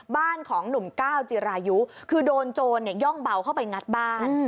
บ้านของหนุ่มก้าวจิรายุคือโดนโจรย่องเบาเข้าไปงัดบ้าน